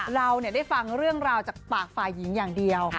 เราได้ฟังเรื่องราวจากปากฝ่ายหญิงอย่างเดียว